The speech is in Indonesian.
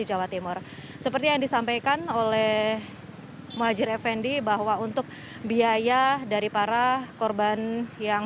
jawa timur seperti yang disampaikan oleh muhajir effendi bahwa untuk biaya dari para korban yang